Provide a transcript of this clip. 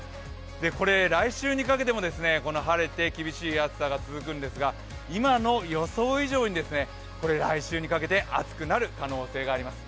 これ、来週にかけても晴れて厳しい暑さが続くんですが今の予想以上に来週にかけて暑くなる可能性があります。